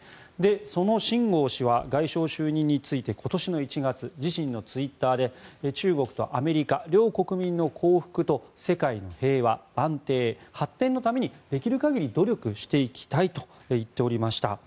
そのシン・ゴウ氏は外相就任について今年の１月自身のツイッターで中国とアメリカ、両国民の幸福と世界の平和・安定・発展のためにできる限り努力していきたいと言っておりました。